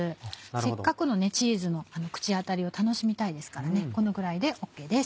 せっかくのチーズの口当たりを楽しみたいですからこのぐらいでＯＫです。